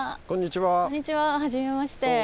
こんにちははじめまして。